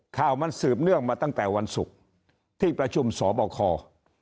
ข่าวมันสืบเนื่องมาตั้งแต่วันศุกร์ที่ประชุมสบค